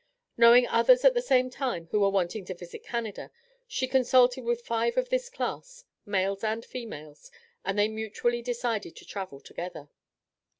Knowing others at the same time, who were wanting to visit Canada, she consulted with five of this class, males and females, and they mutually decided to travel together.